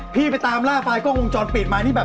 พี่ไปตามล่าไฟล์กล้ององค์จรปิดมา